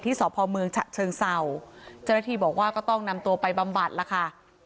ที่สภเมืองเชิงเศราจนาทีบอกว่าก็ต้องนำตัวไปบำบัดละค่ะ